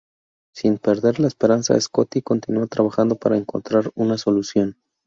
Sin perder la esperanza, Scotty continúa trabajando para encontrar una solución.